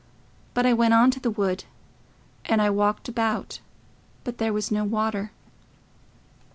But I went on to the wood, and I walked about, but there was no water...."